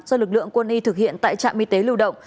do lực lượng quân y thực hiện tại trạm y tế lưu động